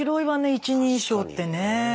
一人称ってね。